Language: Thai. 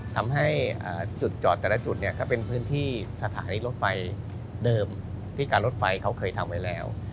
ทำให้จุดจอดแต่ละจุดเนี่ยก็เป็นพื้นที่สถานีรถไฟเดิมที่การรถไฟเขาเคยทำไว้แล้ว